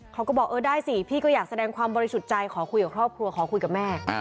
เขาก็บอกเออได้สิพี่ก็อยากแสดงความบริสุทธิ์ใจขอคุยกับครอบครัวขอคุยกับแม่